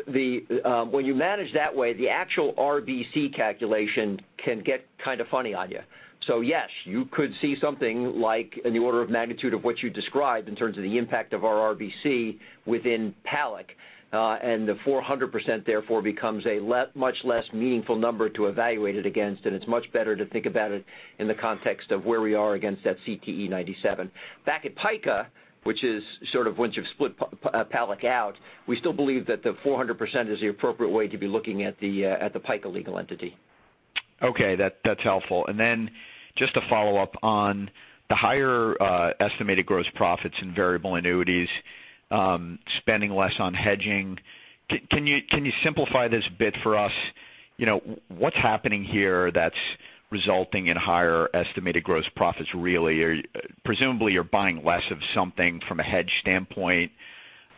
When you manage that way, the actual RBC calculation can get kind of funny on you. Yes, you could see something like in the order of magnitude of what you described in terms of the impact of our RBC within PALIC. The 400%, therefore, becomes a much less meaningful number to evaluate it against, and it's much better to think about it in the context of where we are against that CTE 97. Back at PICA, which is sort of once you've split PALIC out, we still believe that the 400% is the appropriate way to be looking at the PICA legal entity. Okay. That's helpful. Then just to follow up on the higher estimated gross profits in variable annuities, spending less on hedging, can you simplify this a bit for us? What's happening here that's resulting in higher estimated gross profits, really? Presumably, you're buying less of something from a hedge standpoint,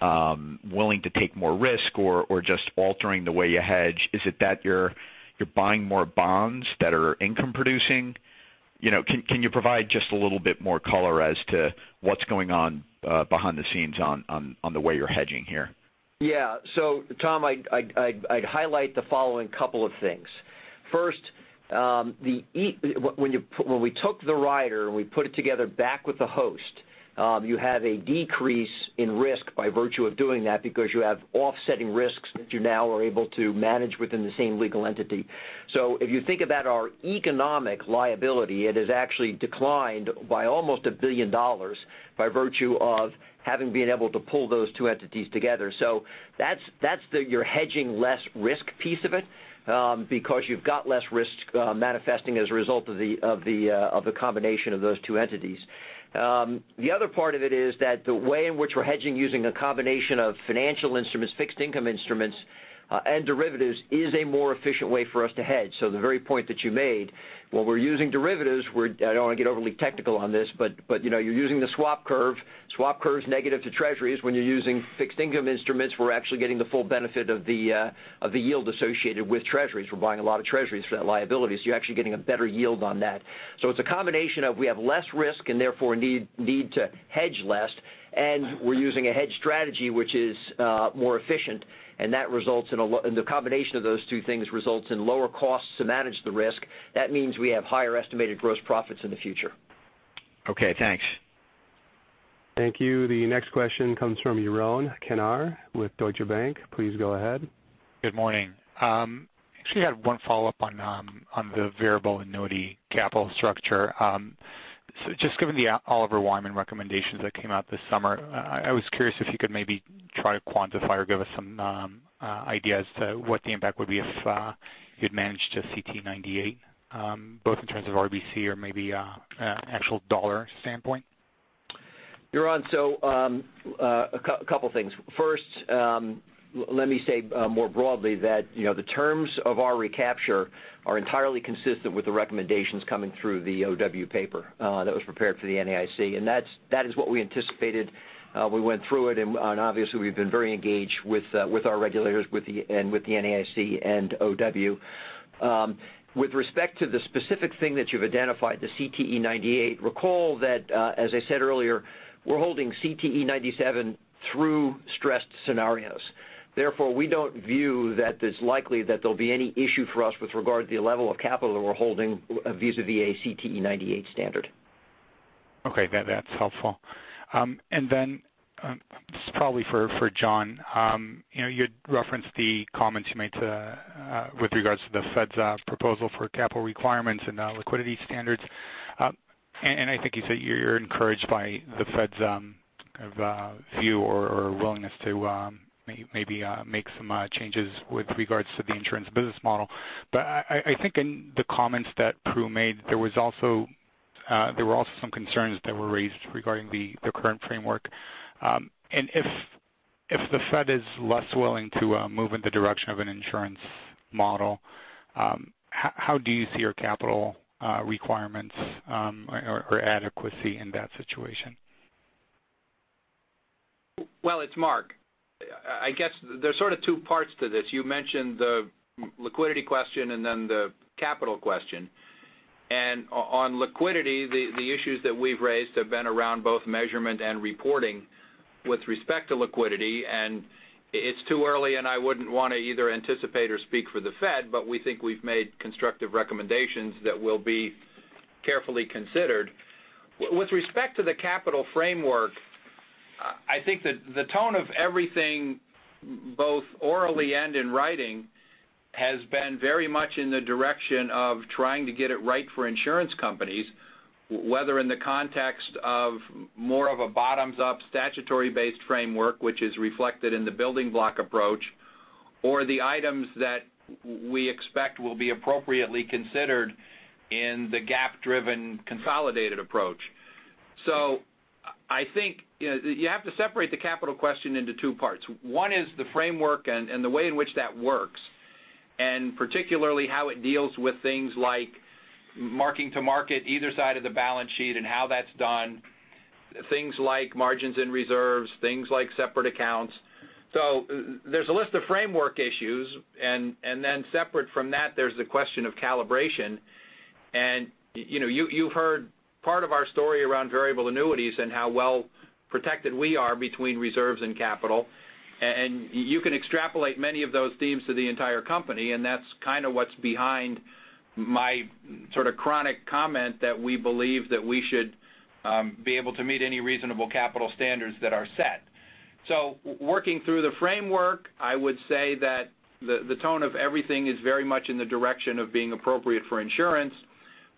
willing to take more risk or just altering the way you hedge. Is it that you're buying more bonds that are income producing? Can you provide just a little bit more color as to what's going on behind the scenes on the way you're hedging here? Yeah. Tom, I'd highlight the following couple of things. First, when we took the rider and we put it together back with the host, you have a decrease in risk by virtue of doing that because you have offsetting risks that you now are able to manage within the same legal entity. If you think about our economic liability, it has actually declined by almost $1 billion by virtue of having been able to pull those two entities together. That's your hedging less risk piece of it, because you've got less risk manifesting as a result of the combination of those two entities. The other part of it is that the way in which we're hedging using a combination of financial instruments, fixed income instruments, and derivatives is a more efficient way for us to hedge. The very point that you made, while we're using derivatives, I don't want to get overly technical on this, you're using the swap curve. Swap curve is negative to treasuries. When you're using fixed income instruments, we're actually getting the full benefit of the yield associated with treasuries. We're buying a lot of treasuries for that liability, you're actually getting a better yield on that. It's a combination of we have less risk and therefore need to hedge less, we're using a hedge strategy which is more efficient, the combination of those two things results in lower costs to manage the risk. That means we have higher estimated gross profits in the future. Okay, thanks. Thank you. The next question comes from Yaron Kinar with Deutsche Bank. Please go ahead. Good morning. Actually had one follow-up on the variable annuity capital structure. Just given the Oliver Wyman recommendations that came out this summer, I was curious if you could maybe try to quantify or give us some idea as to what the impact would be if you'd managed a CTE 98, both in terms of RBC or maybe an actual dollar standpoint. Yaron, a couple of things. First, let me say more broadly that the terms of our recapture are entirely consistent with the recommendations coming through the OW paper that was prepared for the NAIC, and that is what we anticipated. We went through it, and obviously, we've been very engaged with our regulators and with the NAIC and OW. With respect to the specific thing that you've identified, the CTE 98, recall that, as I said earlier, we're holding CTE 97 through stressed scenarios. Therefore, we don't view that it's likely that there'll be any issue for us with regard to the level of capital that we're holding vis-à-vis a CTE 98 standard. That's helpful. This is probably for John. You had referenced the comments you made with regards to the Fed's proposal for capital requirements and liquidity standards. I think you said you're encouraged by the Fed's kind of view or willingness to maybe make some changes with regards to the insurance business model. I think in the comments that Pru made, there were also some concerns that were raised regarding the current framework. If the Fed is less willing to move in the direction of an insurance model, how do you see your capital requirements or adequacy in that situation? Well, it's Mark. I guess there's sort of two parts to this. You mentioned the liquidity question and then the capital question. On liquidity, the issues that we've raised have been around both measurement and reporting with respect to liquidity. It's too early, and I wouldn't want to either anticipate or speak for the Fed, but we think we've made constructive recommendations that will be carefully considered. With respect to the capital framework, I think that the tone of everything, both orally and in writing, has been very much in the direction of trying to get it right for insurance companies, whether in the context of more of a bottoms-up statutory-based framework, which is reflected in the building block approach or the items that we expect will be appropriately considered in the GAAP-driven consolidated approach. I think you have to separate the capital question into two parts. One is the framework and the way in which that works, and particularly how it deals with things like marking to market either side of the balance sheet and how that's done, things like margins and reserves, things like separate accounts. There's a list of framework issues, and then separate from that, there's the question of calibration. You've heard part of our story around variable annuities and how well protected we are between reserves and capital. You can extrapolate many of those themes to the entire company, and that's kind of what's behind my sort of chronic comment that we believe that we should be able to meet any reasonable capital standards that are set. Working through the framework, I would say that the tone of everything is very much in the direction of being appropriate for insurance.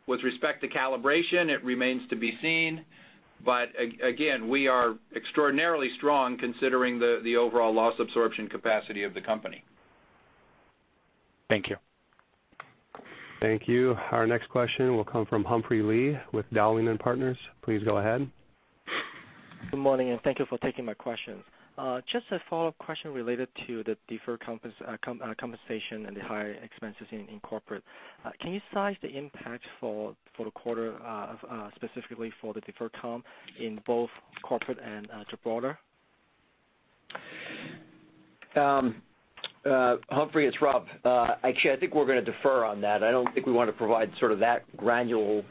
With respect to calibration, it remains to be seen. Again, we are extraordinarily strong considering the overall loss absorption capacity of the company. Thank you. Thank you. Our next question will come from Humphrey Lee with Dowling & Partners. Please go ahead. Good morning, thank you for taking my questions. Just a follow-up question related to the deferred compensation and the higher expenses in corporate. Can you size the impact for the quarter, specifically for the deferred comp in both corporate and broader? Humphrey, it's Rob. Actually, I think we're going to defer on that. I don't think we want to provide that granular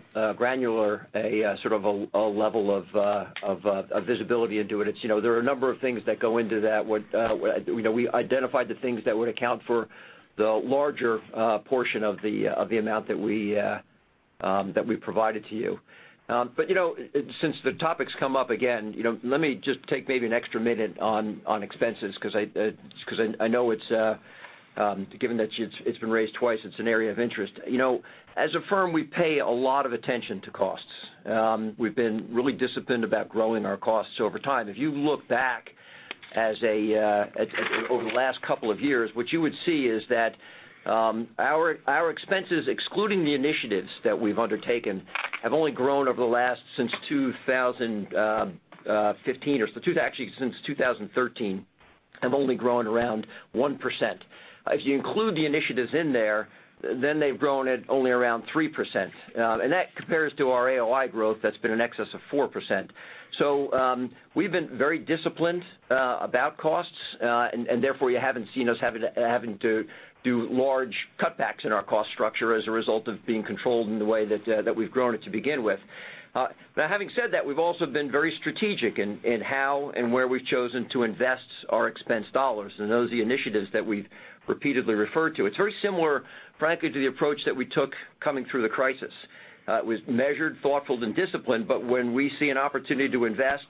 sort of a level of visibility into it. There are a number of things that go into that. We identified the things that would account for the larger portion of the amount that we provided to you. Since the topic's come up again, let me just take maybe an extra minute on expenses because I know, given that it's been raised twice, it's an area of interest. As a firm, we pay a lot of attention to costs. We've been really disciplined about growing our costs over time. If you look back over the last couple of years, what you would see is that our expenses, excluding the initiatives that we've undertaken, have only grown over the last, since 2015 or actually since 2013, have only grown around 1%. If you include the initiatives in there, then they've grown at only around 3%. That compares to our AOI growth that's been in excess of 4%. We've been very disciplined about costs, and therefore you haven't seen us having to do large cutbacks in our cost structure as a result of being controlled in the way that we've grown it to begin with. Having said that, we've also been very strategic in how and where we've chosen to invest our expense dollars, and those are the initiatives that we've repeatedly referred to. It's very similar, frankly, to the approach that we took coming through the crisis. It was measured, thoughtful, and disciplined, when we see an opportunity to invest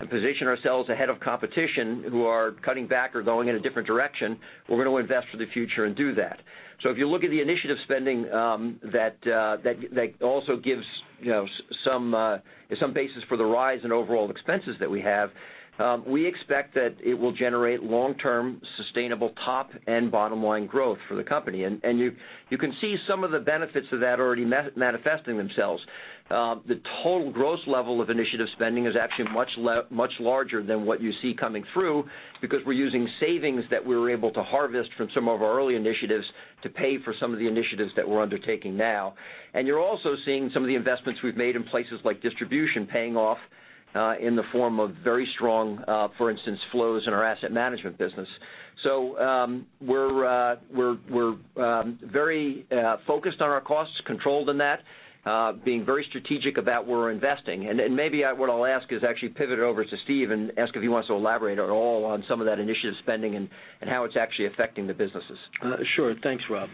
and position ourselves ahead of competition who are cutting back or going in a different direction, we're going to invest for the future and do that. If you look at the initiative spending that also gives some basis for the rise in overall expenses that we have, we expect that it will generate long-term sustainable top and bottom-line growth for the company. You can see some of the benefits of that already manifesting themselves. The total gross level of initiative spending is actually much larger than what you see coming through because we're using savings that we were able to harvest from some of our early initiatives to pay for some of the initiatives that we're undertaking now. You're also seeing some of the investments we've made in places like distribution paying off in the form of very strong, for instance, flows in our asset management business. We're very focused on our costs, controlled in that, being very strategic about where we're investing. Maybe what I'll ask is actually pivot it over to Steve and ask if he wants to elaborate at all on some of that initiative spending and how it's actually affecting the businesses. Sure. Thanks, Rob.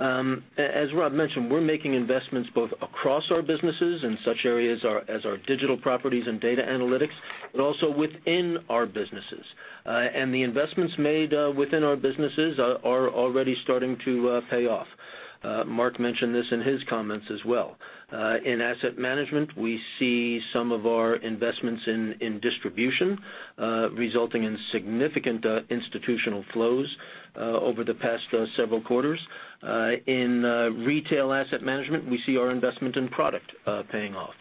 As Rob mentioned, we're making investments both across our businesses in such areas as our digital properties and data analytics, but also within our businesses. The investments made within our businesses are already starting to pay off. Mark mentioned this in his comments as well. In asset management, we see some of our investments in distribution resulting in significant institutional flows over the past several quarters. In retail asset management, we see our investment in product paying off.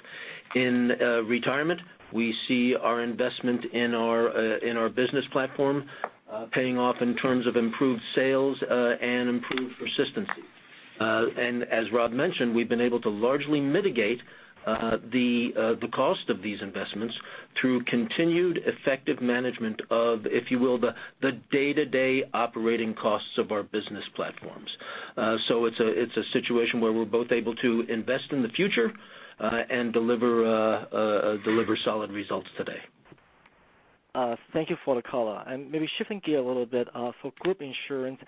In retirement, we see our investment in our business platform paying off in terms of improved sales and improved persistency. As Rob mentioned, we've been able to largely mitigate the cost of these investments through continued effective management of, if you will, the day-to-day operating costs of our business platforms. It's a situation where we're both able to invest in the future and deliver solid results today. Thank you for the call. Maybe shifting gear a little bit, for group insurance,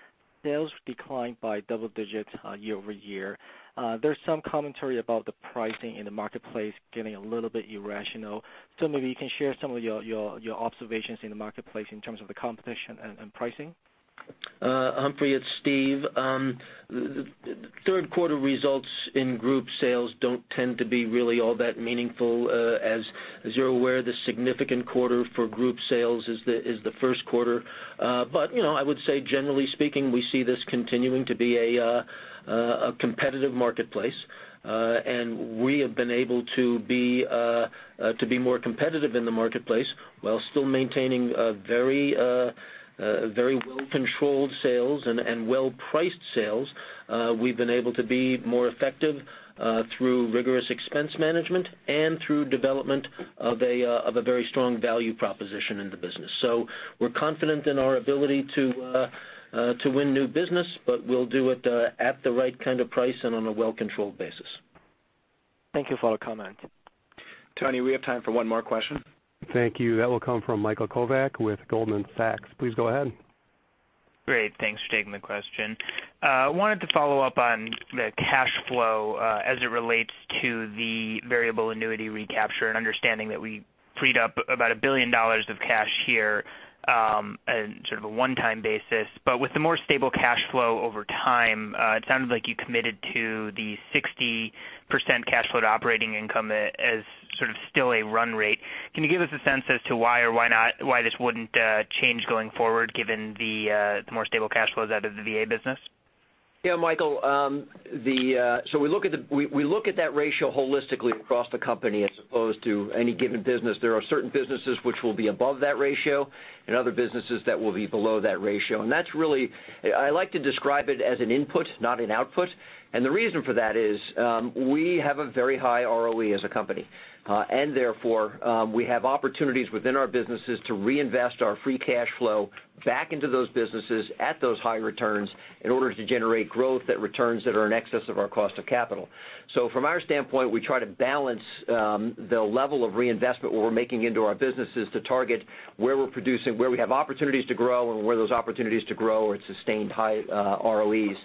sales declined by double digits year-over-year. There's some commentary about the pricing in the marketplace getting a little bit irrational. Maybe you can share some of your observations in the marketplace in terms of the competition and pricing. Humphrey, it's Steve. Third quarter results in group sales don't tend to be really all that meaningful. As you're aware, the significant quarter for group sales is the first quarter. I would say generally speaking, we see this continuing to be a competitive marketplace, and we have been able to be more competitive in the marketplace while still maintaining very well-controlled sales and well-priced sales. We've been able to be more effective through rigorous expense management and through development of a very strong value proposition in the business. We're confident in our ability to win new business, but we'll do it at the right kind of price and on a well-controlled basis. Thank you for the comment. Tony, we have time for one more question. Thank you. That will come from Michael Kovac with Goldman Sachs. Please go ahead. Great. Thanks for taking the question. I wanted to follow up on the cash flow as it relates to the variable annuity recapture and understanding that we freed up about $1 billion of cash here on sort of a one-time basis. With the more stable cash flow over time, it sounded like you committed to the 60% cash flow to operating income as sort of still a run rate. Can you give us a sense as to why or why not, why this wouldn't change going forward given the more stable cash flows out of the VA business? Yeah, Michael, we look at that ratio holistically across the company as opposed to any given business. There are certain businesses which will be above that ratio and other businesses that will be below that ratio. I like to describe it as an input, not an output. The reason for that is we have a very high ROE as a company. Therefore, we have opportunities within our businesses to reinvest our free cash flow back into those businesses at those high returns in order to generate growth at returns that are in excess of our cost of capital. From our standpoint, we try to balance the level of reinvestment we're making into our businesses to target where we have opportunities to grow and where those opportunities to grow are at sustained high ROEs.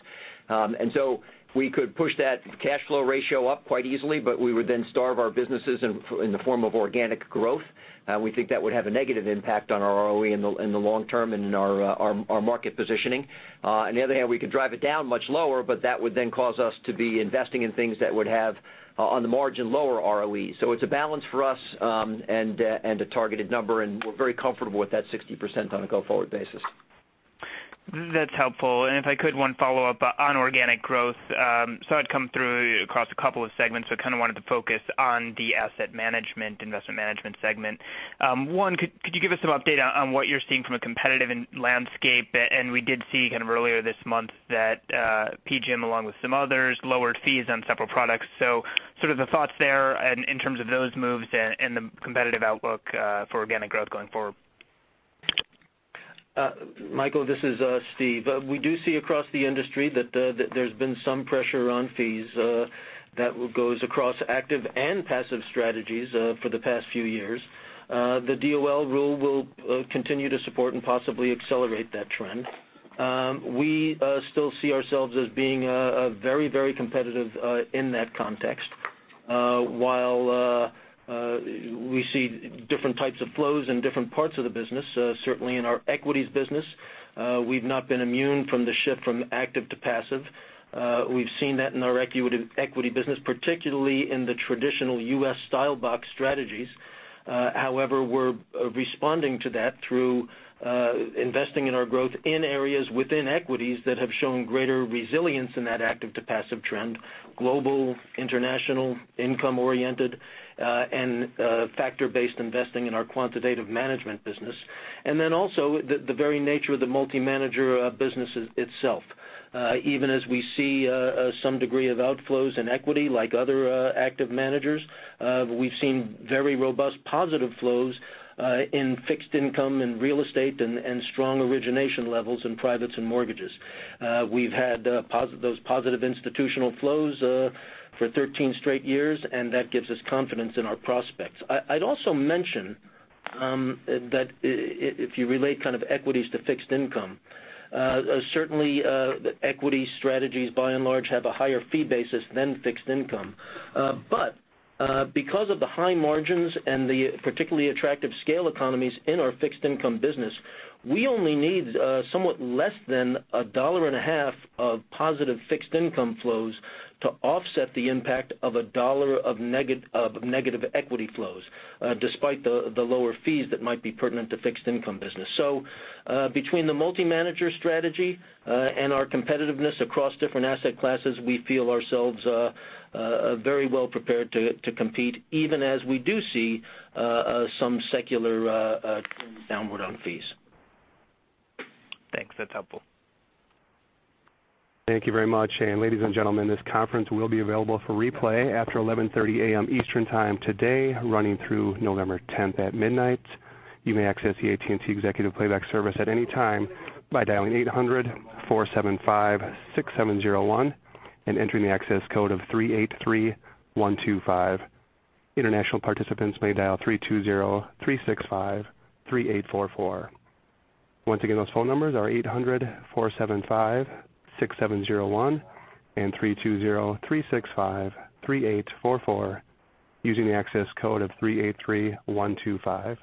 We could push that cash flow ratio up quite easily, but we would then starve our businesses in the form of organic growth. We think that would have a negative impact on our ROE in the long term and in our market positioning. On the other hand, we could drive it down much lower, but that would then cause us to be investing in things that would have on the margin lower ROE. It's a balance for us, and a targeted number, and we're very comfortable with that 60% on a go-forward basis. That's helpful. If I could, one follow-up on organic growth. I'd come through across a couple of segments, so kind of wanted to focus on the asset management, investment management segment. One, could you give us some update on what you're seeing from a competitive landscape? We did see kind of earlier this month that PGIM, along with some others, lowered fees on several products. Sort of the thoughts there in terms of those moves and the competitive outlook for organic growth going forward. Michael, this is Steve. We do see across the industry that there's been some pressure on fees that goes across active and passive strategies for the past few years. The DOL rule will continue to support and possibly accelerate that trend. We still see ourselves as being very competitive in that context. While we see different types of flows in different parts of the business, certainly in our equities business, we've not been immune from the shift from active to passive. We've seen that in our equity business, particularly in the traditional U.S. style box strategies. However, we're responding to that through investing in our growth in areas within equities that have shown greater resilience in that active to passive trend, global, international, income-oriented, and factor-based investing in our quantitative management business. Then also the very nature of the multi-manager business itself. Even as we see some degree of outflows in equity like other active managers, we've seen very robust positive flows in fixed income and real estate and strong origination levels in privates and mortgages. We've had those positive institutional flows for 13 straight years. I'd also mention that if you relate kind of equities to fixed income, certainly equity strategies by and large have a higher fee basis than fixed income. But because of the high margins and the particularly attractive scale economies in our fixed income business, we only need somewhat less than a dollar and a half of positive fixed income flows to offset the impact of a dollar of negative equity flows, despite the lower fees that might be pertinent to fixed income business. Between the multi-manager strategy and our competitiveness across different asset classes, we feel ourselves very well prepared to compete even as we do see some secular trends downward on fees. Thanks. That's helpful. Thank you very much. Ladies and gentlemen, this conference will be available for replay after 11:30 A.M. Eastern time today, running through November 10th at midnight. You may access the AT&T Executive Playback service at any time by dialing 800-475-6701 and entering the access code of 383125. International participants may dial 320-365-3844. Once again, those phone numbers are 800-475-6701 and 320-365-3844 using the access code of 383125.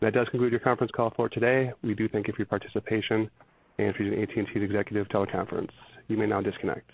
That does conclude your conference call for today. We do thank you for your participation and for using AT&T Executive Teleconference. You may now disconnect.